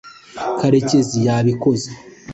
karekezi yabikoze